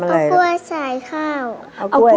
ทำอะไรลูกเอากล้วยใส่ข้าว